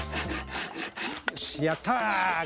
よしやった！